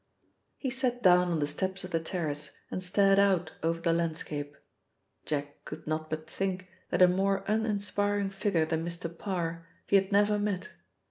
He sat down on the steps of the terrace and stared out over the landscape. Jack could not but think that a more uninspiring figure than Mr. Parr he had never met.